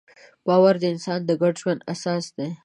باور د انسان د ګډ ژوند اساس دی.